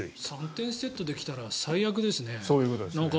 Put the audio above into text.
３点セットで来たら最悪ですね。